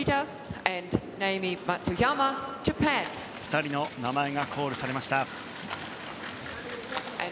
２人の名前がコールされました。